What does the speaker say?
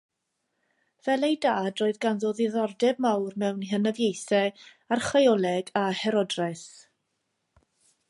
Fel ei dad, roedd ganddo ddiddordeb mawr mewn hynafiaethau, archaeoleg a herodraeth.